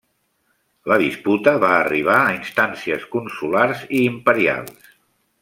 La disputa va arribar a instàncies consulars i imperials.